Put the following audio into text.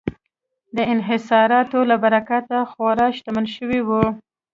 د انحصاراتو له برکته خورا شتمن شوي وو.